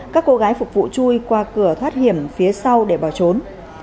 các cô gái phục vụ chui qua cửa thoát hiểm phía sau để bỏ trốn